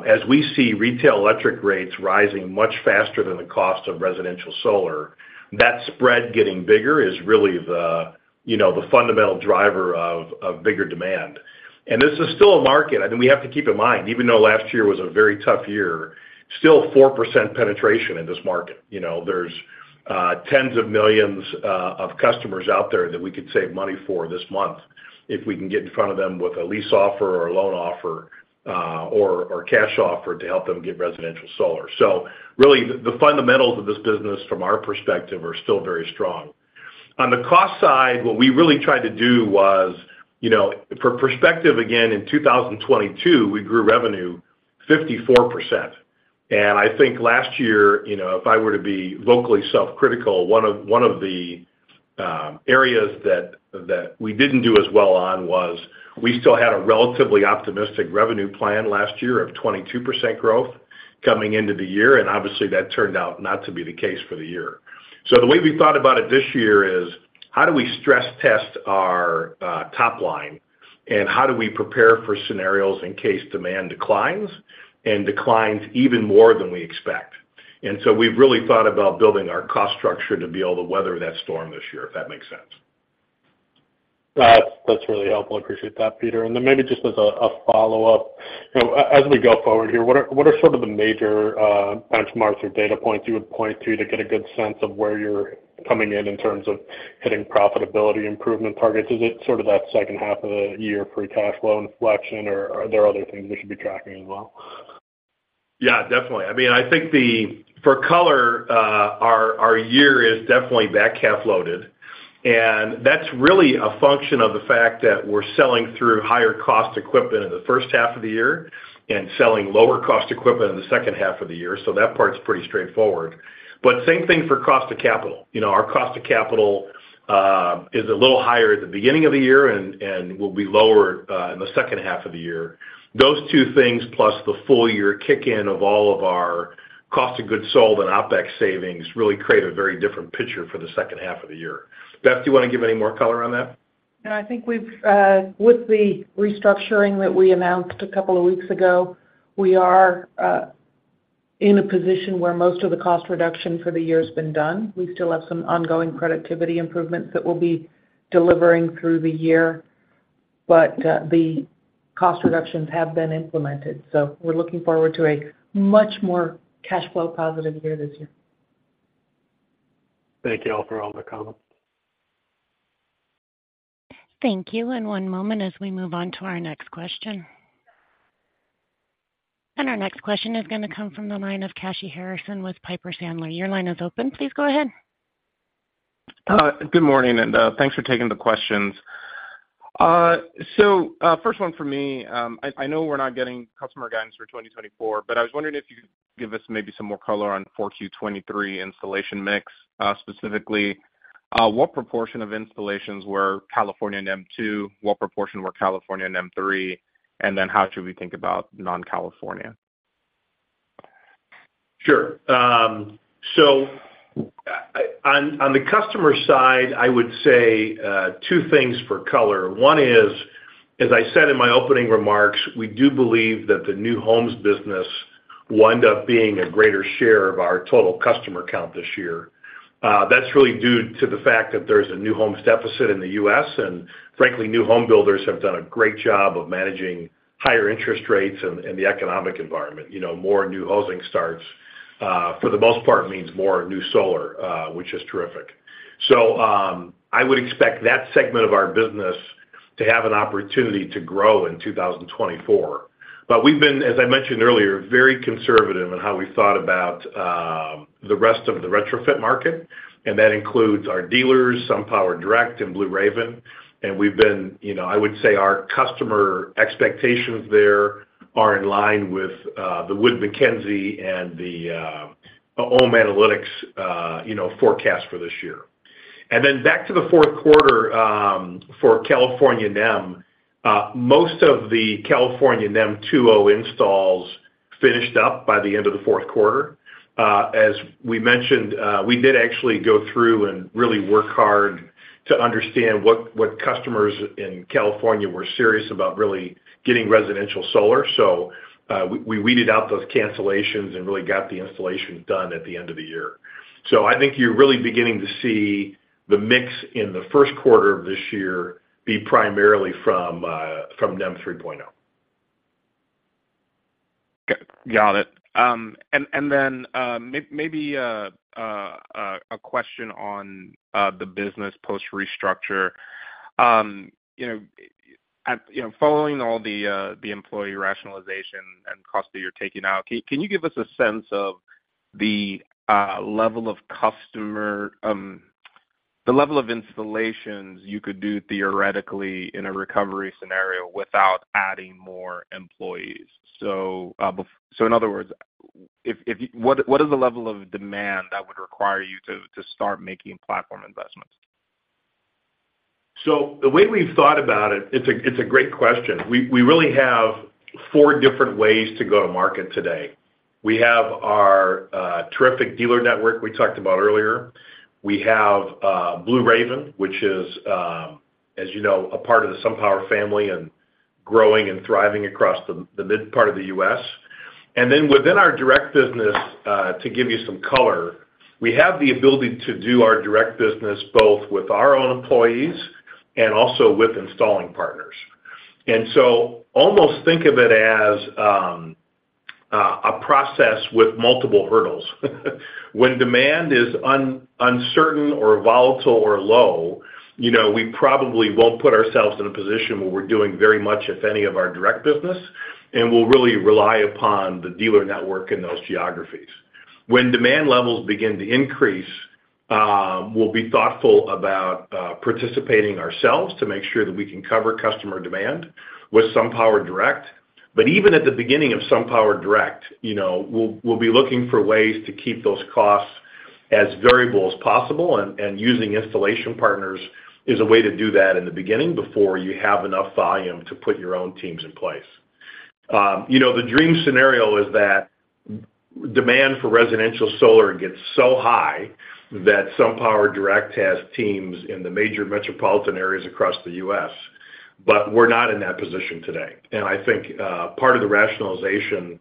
as we see retail electric rates rising much faster than the cost of residential solar, that spread getting bigger is really the fundamental driver of bigger demand. And this is still a market. I mean, we have to keep in mind, even though last year was a very tough year, still 4% penetration in this market. There's tens of millions of customers out there that we could save money for this month if we can get in front of them with a lease offer or a loan offer or cash offer to help them get residential solar. So really, the fundamentals of this business, from our perspective, are still very strong. On the cost side, what we really tried to do was, for perspective, again, in 2022, we grew revenue 54%. And I think last year, if I were to be vocally self-critical, one of the areas that we didn't do as well on was we still had a relatively optimistic revenue plan last year of 22% growth coming into the year. And obviously, that turned out not to be the case for the year. So the way we thought about it this year is, how do we stress-test our top line, and how do we prepare for scenarios in case demand declines and declines even more than we expect? And so we've really thought about building our cost structure to be able to weather that storm this year, if that makes sense. That's really helpful. I appreciate that, Peter. And then maybe just as a follow-up, as we go forward here, what are sort of the major benchmarks or data points you would point to to get a good sense of where you're coming in in terms of hitting profitability improvement targets? Is it sort of that second half of the year, free cash flow inflection, or are there other things we should be tracking as well? Yeah, definitely. I mean, I think for color, our year is definitely back half-loaded. And that's really a function of the fact that we're selling through higher-cost equipment in the first half of the year and selling lower-cost equipment in the second half of the year. So that part's pretty straightforward. But same thing for cost of capital. Our cost of capital is a little higher at the beginning of the year and will be lower in the second half of the year. Those two things, plus the full-year kick-in of all of our cost of goods sold and OPEX savings, really create a very different picture for the second half of the year. Beth, do you want to give any more color on that? Yeah. I think with the restructuring that we announced a couple of weeks ago, we are in a position where most of the cost reduction for the year has been done. We still have some ongoing productivity improvements that we'll be delivering through the year. But the cost reductions have been implemented. So we're looking forward to a much more cash flow positive year this year. Thank you all for all the comments. Thank you. One moment as we move on to our next question. Our next question is going to come from the line of Kashy Harrison with Piper Sandler. Your line is open. Please go ahead. Good morning, and thanks for taking the questions. So first one for me. I know we're not getting customer guidance for 2024, but I was wondering if you could give us maybe some more color on Q4 2023 installation mix. Specifically, what proportion of installations were California NEM2? What proportion were California NEM3? And then how should we think about non-California? Sure. So on the customer side, I would say two things for color. One is, as I said in my opening remarks, we do believe that the new homes business will end up being a greater share of our total customer count this year. That's really due to the fact that there's a new homes deficit in the US And frankly, new home builders have done a great job of managing higher interest rates and the economic environment. More new housing starts, for the most part, means more new solar, which is terrific. So I would expect that segment of our business to have an opportunity to grow in 2024. But we've been, as I mentioned earlier, very conservative in how we thought about the rest of the retrofit market. And that includes our dealers, SunPower Direct and Blue Raven. And we've been I would say our customer expectations there are in line with the Wood Mackenzie and the Ohm Analytics forecast for this year. And then back to the Q4 for California NEM, most of the California NEM 2.0 installs finished up by the end of the Q4. As we mentioned, we did actually go through and really work hard to understand what customers in California were serious about really getting residential solar. So we weeded out those cancellations and really got the installation done at the end of the year. So I think you're really beginning to see the mix in the Q1 of this year be primarily from NEM 3.0. Got it. And then maybe a question on the business post-restructure. Following all the employee rationalization and cost that you're taking out, can you give us a sense of the level of installations you could do theoretically in a recovery scenario without adding more employees? So in other words, what is the level of demand that would require you to start making platform investments? So the way we've thought about it, it's a great question. We really have four different ways to go to market today. We have our terrific dealer network we talked about earlier. We have Blue Raven, which is, as you know, a part of the SunPower family and growing and thriving across the mid-part of the US And then within our direct business, to give you some color, we have the ability to do our direct business both with our own employees and also with installing partners. And so almost think of it as a process with multiple hurdles. When demand is uncertain or volatile or low, we probably won't put ourselves in a position where we're doing very much, if any, of our direct business and will really rely upon the dealer network in those geographies. When demand levels begin to increase, we'll be thoughtful about participating ourselves to make sure that we can cover customer demand with SunPower Direct. But even at the beginning of SunPower Direct, we'll be looking for ways to keep those costs as variable as possible. And using installation partners is a way to do that in the beginning before you have enough volume to put your own teams in place. The dream scenario is that demand for residential solar gets so high that SunPower Direct has teams in the major metropolitan areas across the US But we're not in that position today. And I think part of the rationalization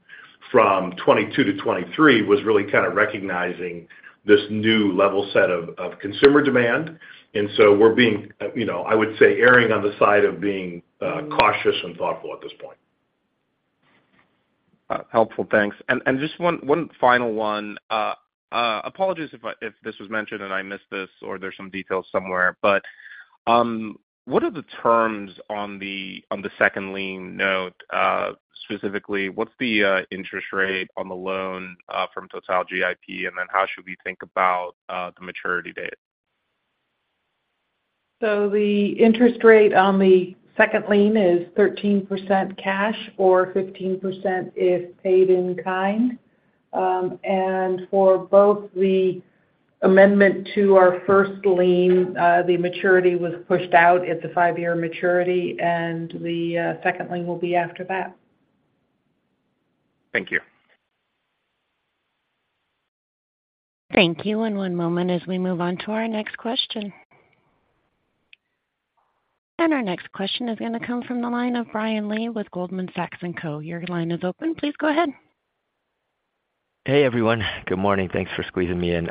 from 2022 to 2023 was really kind of recognizing this new level set of consumer demand. And so we're being, I would say, erring on the side of being cautious and thoughtful at this point. Helpful. Thanks. And just one final one. Apologies if this was mentioned and I missed this or there's some details somewhere. But what are the terms on the second lien note specifically? What's the interest rate on the loan from Total, GIP? And then how should we think about the maturity date? So the interest rate on the second lien is 13% cash or 15% if paid in kind. And for both the amendment to our first lien, the maturity was pushed out. It's a 5-year maturity. And the second lien will be after that. Thank you. Thank you. And one moment as we move on to our next question. And our next question is going to come from the line of Brian Lee with Goldman Sachs & Co. Your line is open. Please go ahead. Hey, everyone. Good morning. Thanks for squeezing me in.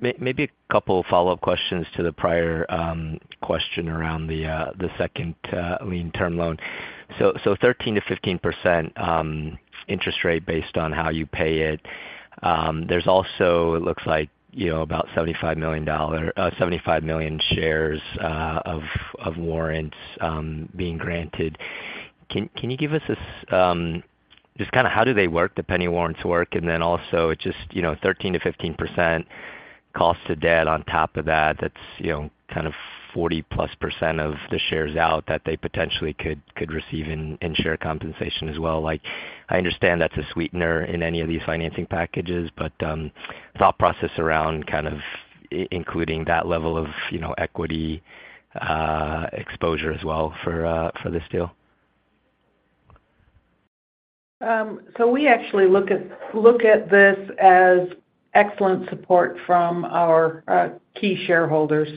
Maybe a couple of follow-up questions to the prior question around the second lien term loan. So 13% to 15% interest rate based on how you pay it. There's also, it looks like, about $75 million shares of warrants being granted. Can you give us just kind of how do they work, the penny warrants work? And then also, it's just 13% to 15% cost to debt on top of that. That's kind of 40%+ of the shares out that they potentially could receive in share compensation as well. I understand that's a sweetener in any of these financing packages, but thought process around kind of including that level of equity exposure as well for this deal? So we actually look at this as excellent support from our key shareholders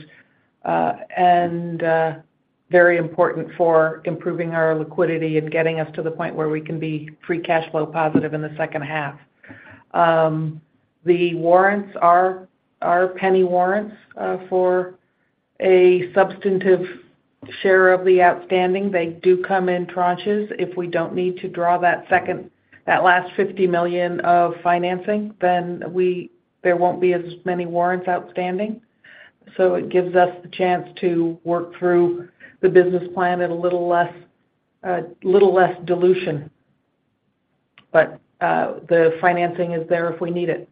and very important for improving our liquidity and getting us to the point where we can be free cash flow positive in the second half. The warrants are penny warrants for a substantive share of the outstanding. They do come in tranches. If we don't need to draw that last $50 million of financing, then there won't be as many warrants outstanding. So it gives us the chance to work through the business plan at a little less dilution. But the financing is there if need it.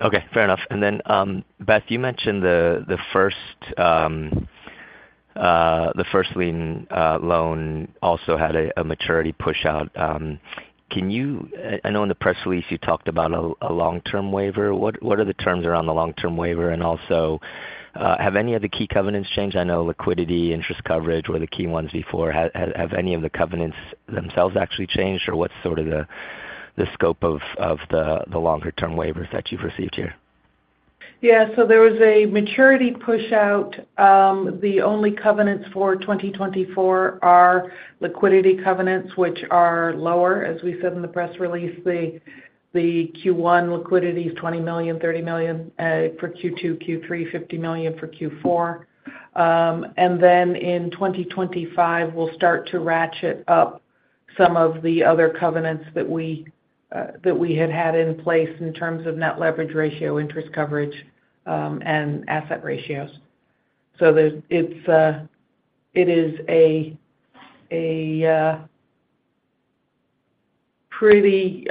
Okay. Fair enough. And then, Beth, you mentioned the first lien loan also had a maturity push-out. I know in the press release, you talked about a long-term waiver. What are the terms around the long-term waiver? And also, have any of the key covenants changed? I know liquidity, interest coverage were the key ones before. Have any of the covenants themselves actually changed? Or what's sort of the scope of the longer-term waivers that you've received here? Yeah. So there was a maturity push-out. The only covenants for 2024 are liquidity covenants, which are lower, as we said in the press release. The Q1 liquidity is $20 to 30 million. For Q2, Q3, $50 million for Q4. And then in 2025, we'll start to ratchet up some of the other covenants that we had had in place in terms of net leverage ratio, interest coverage, and asset ratios. So it is a pretty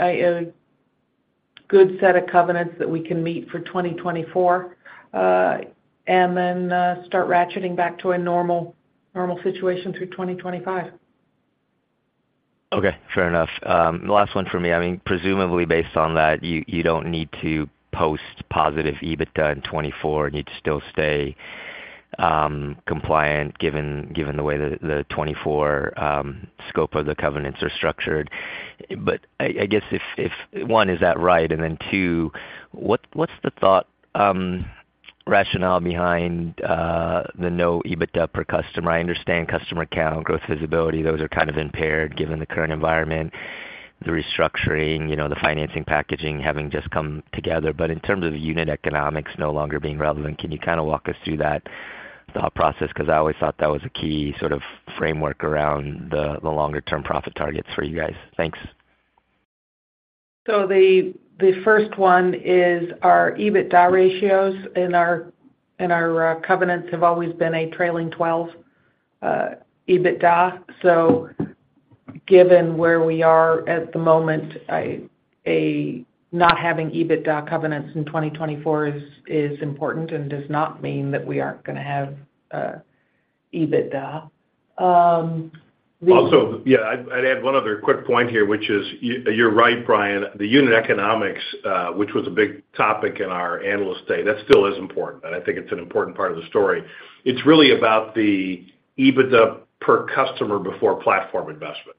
good set of covenants that we can meet for 2024 and then start ratcheting back to a normal situation through 2025. Okay. Fair enough. The last one for me. I mean, presumably, based on that, you don't need to post positive EBITDA in 2024. You'd still stay compliant given the way the 2024 scope of the covenants are structured. But I guess, one, is that right? And then two, what's the thought rationale behind the no EBITDA per customer? I understand customer count, growth visibility, those are kind of impaired given the current environment, the restructuring, the financing packaging having just come together. But in terms of unit economics no longer being relevant, can you kind of walk us through that thought process? Because I always thought that was a key sort of framework around the longer-term profit targets for you guys. Thanks. So the first one is our EBITDA ratios. And our covenants have always been a trailing 12 EBITDA. So given where we are at the moment, not having EBITDA covenants in 2024 is important and does not mean that we aren't going to have EBITDA. Also, yeah, I'd add one other quick point here, which is you're right, Brian. The unit economics, which was a big topic in our analyst day, that still is important. And I think it's an important part of the story. It's really about the EBITDA per customer before platform investment.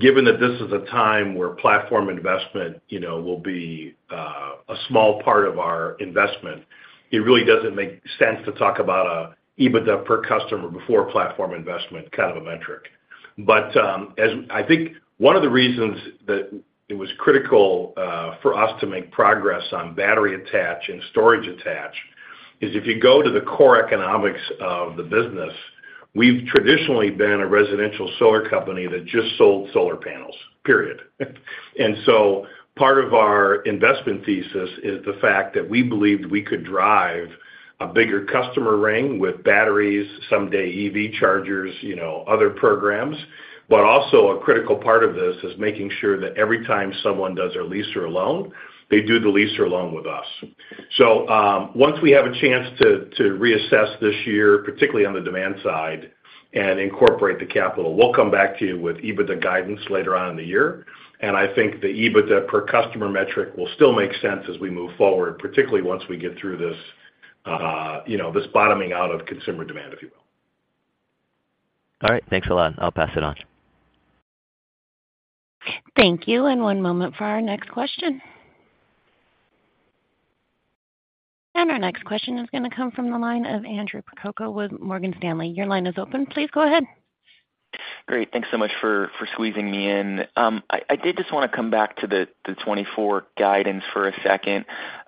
Given that this is a time where platform investment will be a small part of our investment, it really doesn't make sense to talk about an EBITDA per customer before platform investment kind of a metric. But I think one of the reasons that it was critical for us to make progress on battery attach and storage attach is if you go to the core economics of the business, we've traditionally been a residential solar company that just sold solar panels, period. And so part of our investment thesis is the fact that we believed we could drive a bigger customer ring with batteries, someday EV chargers, other programs. But also, a critical part of this is making sure that every time someone does a lease or a loan, they do the lease or loan with us. So once we have a chance to reassess this year, particularly on the demand side and incorporate the capital, we'll come back to you with EBITDA guidance later on in the year. I think the EBITDA per customer metric will still make sense as we move forward, particularly once we get through this bottoming out of consumer demand, if you will. All right. Thanks a lot. I'll pass it on. Thank you. One moment for our next question. Our next question is going to come from the line of Andrew Percoco with Morgan Stanley. Your line is open. Please go ahead. Great. Thanks so much for squeezing me in. I did just want to come back to the 2024 guidance for a second.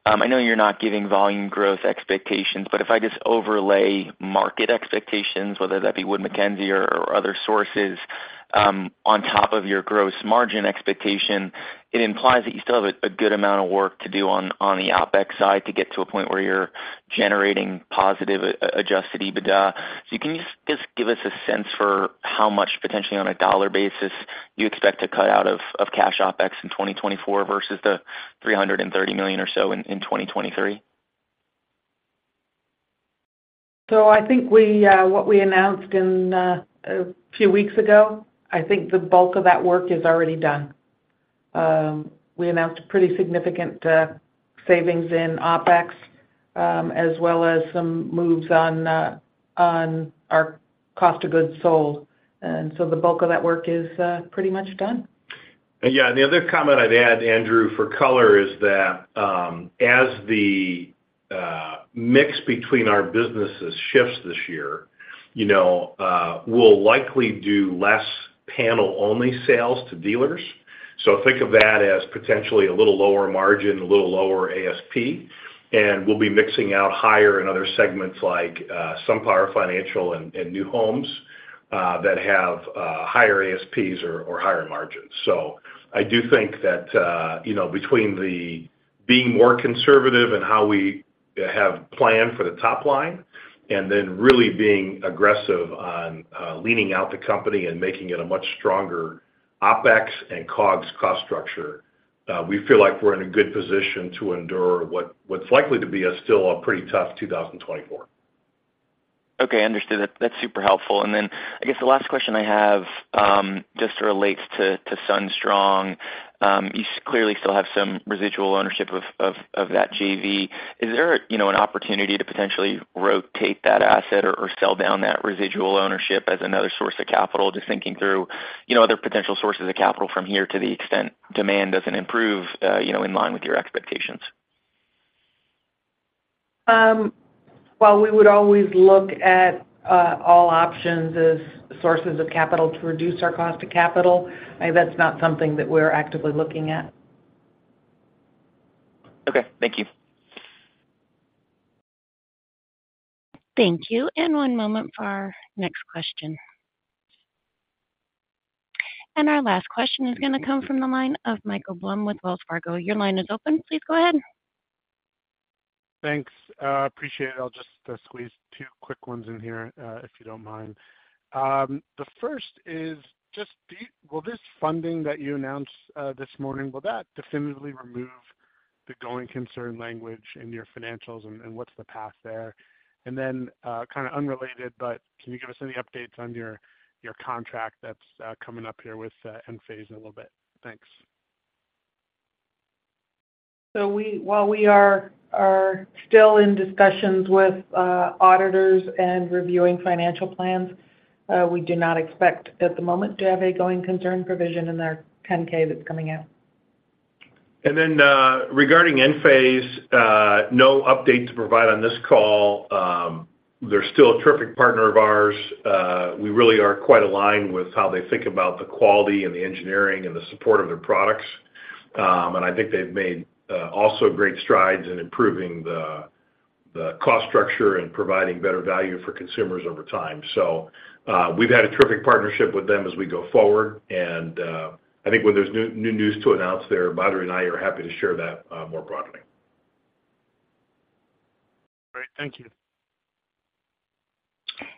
I know you're not giving volume growth expectations. But if I just overlay market expectations, whether that be Wood Mackenzie or other sources, on top of your gross margin expectation, it implies that you still have a good amount of work to do on the OPEX side to get to a point where you're generating positive Adjusted EBITDA. So can you just give us a sense for how much, potentially on a dollar basis, you expect to cut out of cash OPEX in 2024 versus the $330 million or so in 2023? So I think what we announced a few weeks ago, I think the bulk of that work is already done. We announced pretty significant savings in OPEX as well as some moves on our cost of goods sold. And so the bulk of that work is pretty much done. Yeah. And the other comment I'd add, Andrew, for color is that as the mix between our businesses shifts this year, we'll likely do less panel-only sales to dealers. So think of that as potentially a little lower margin, a little lower ASP. And we'll be mixing out higher in other segments like SunPower Financial and New Homes that have higher ASPs or higher margins. So I do think that between being more conservative in how we have planned for the top line and then really being aggressive on leaning out the company and making it a much stronger OPEX and COGS cost structure, we feel like we're in a good position to endure what's likely to be still a pretty tough 2024. Okay. Understood. That's helpful. And then I guess the last question I have just relates to SunStrong. You clearly still have some residual ownership of that JV. Is there an opportunity to potentially rotate that asset or sell down that residual ownership as another source of capital, just thinking through other potential sources of capital from here to the extent demand doesn't improve in line with your expectations? Well, we would always look at all options as sources of capital to reduce our cost of capital. That's not something that we're actively looking at. Okay. Thank you. Thank you. And one moment for our next question. And our last question is going to come from the line of Michael Blum with Wells Fargo. Your line is open. Please go ahead. Thanks. Appreciate it. I'll just squeeze two quick ones in here if you don't mind. The first is just, will this funding that you announced this morning, will that definitively remove the going concern language in your financials? And what's the path there? And then kind of unrelated, but can you give us any updates on your contract that's coming up here with Enphase in a little bit? Thanks. So while we are still in discussions with auditors and reviewing financial plans, we do not expect at the moment to have a going concern provision in their 10-K that's coming out. And then regarding Enphase, no update to provide on this call. They're still a terrific partner of ours. We really are quite aligned with how they think about the quality and the engineering and the support of their products. And I think they've made also great strides in improving the cost structure and providing better value for consumers over time. So we've had a terrific partnership with them as we go forward. And I think when there's new news to announce there, Badri and I are happy to share that more broadly. Great. Thank you.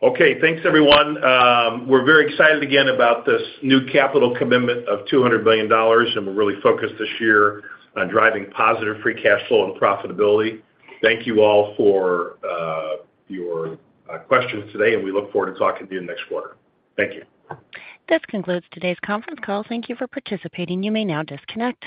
Okay. Thanks, everyone. We're very excited again about this new capital commitment of $200 million. We're really focused this year on driving positive free cash flow and profitability. Thank you all for your questions today. We look forward to talking to you next quarter. Thank you. This concludes today's conference call. Thank you for participating. You may now disconnect.